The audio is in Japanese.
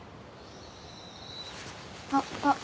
あっあっ。